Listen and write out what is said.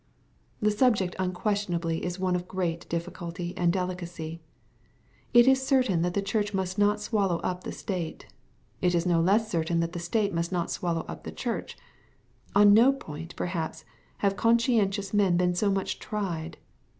The subject unquestionably is one of great difficulty and delicacy. It is certain that the church must not swallow up the state. It is no less certain that the state must not swallow up the church, f On no point, perhaps, have conscientious men been so mxieh tried.